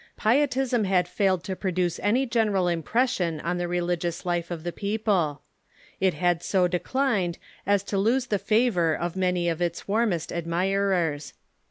Pie tism had failed to produce any general impression on the relig ious life of the people. It had so declined as to lose the favor of many of its warmest admirers.